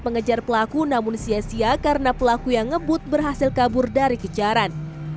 mengejar pelaku namun sia sia karena pelaku yang ngebut berhasil kabur dari kejaran